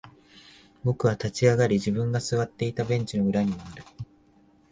僕は立ち上がり、自分が座っていたベンチの裏に回る。